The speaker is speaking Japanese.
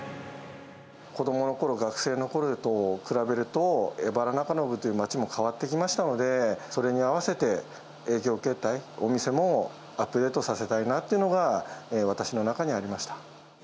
子どものころ、学生のころと比べると、荏原中延という街も変わってきましたので、それに合わせて営業形態、お店もアップデートさせたいなというのが、私の中にありました。